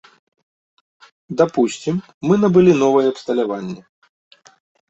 Дапусцім, мы набылі новае абсталяванне.